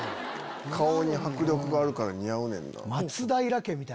顔に迫力があるから似合う。